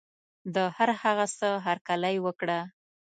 د هر هغه څه هرکلی وکړه.